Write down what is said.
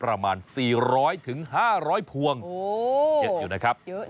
ร้อยถึง๕๐๐พวงเยอะอยู่นะครับ